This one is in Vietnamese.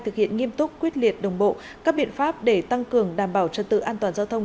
thực hiện nghiêm túc quyết liệt đồng bộ các biện pháp để tăng cường đảm bảo trật tự an toàn giao thông